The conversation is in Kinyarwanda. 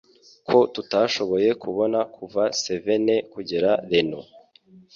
ko tutashoboye kubona kuva Savène kugera Reno